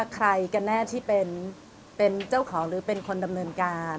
ใครกันแน่ที่เป็นเจ้าของหรือเป็นคนดำเนินการ